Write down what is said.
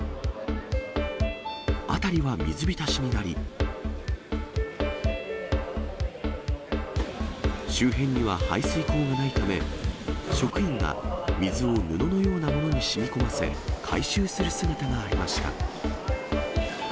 辺りは水浸しになり、周辺には排水溝がないため、職員が水を布のようなものにしみこませ、回収する姿がありました。